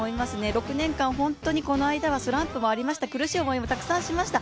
６年間、本当にこの間はスランプもありました苦しい思いもたくさんしました。